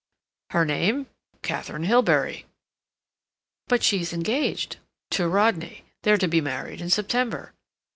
"Her name? Katharine Hilbery." "But she's engaged—" "To Rodney. They're to be married in September."